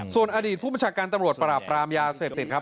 ส่วนอดีตผู้บัญชาการตำรวจปราบปรามยาเสพติดครับ